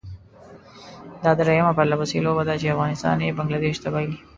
دا درېيمه پرلپسې لوبه ده چې افغانستان یې بنګله دېش ته بايلي.